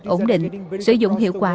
ổn định sử dụng hiệu quả